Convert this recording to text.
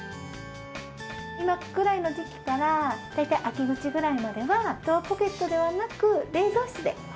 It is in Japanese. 今くらいの時期から大体秋口ぐらいまではドアポケットではなく冷蔵室で保存してください。